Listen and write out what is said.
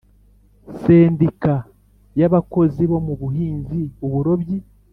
Sendika y abakozi bo mu buhinzi uburobyi